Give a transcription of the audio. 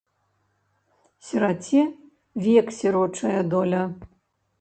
Сіраце век сірочая доля.